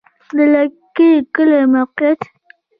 د دلکي کلی موقعیت